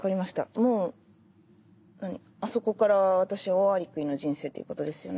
もうあそこから私はオオアリクイの人生ということですよね？